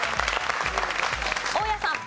大家さん。